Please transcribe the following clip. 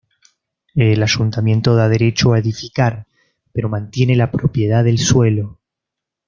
El Ayuntamiento da derecho a edificar, pero mantiene la propiedad del suelo.